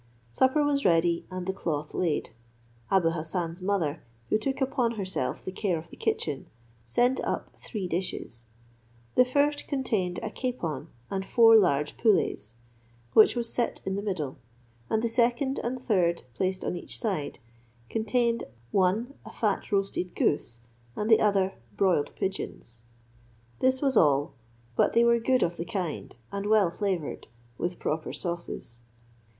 Supper was ready, and the cloth laid. Abou Hassan's mother, who took upon herself the care of the kitchen, sent up three dishes; the first contained a capon and four large pullets, which was set in the middle; and the second and third, placed on each side, contained, one a fat roasted goose, and the other broiled pigeons. This was all; but they were good of the kind and well flavoured, with proper sauces.